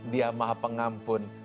dia maha pengampun